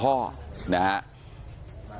ตอนที่เจ้าหน้าที่ไปเคลียร์ที่เกิดเหตุเมื่อคืนที่ผ่านมานะครับ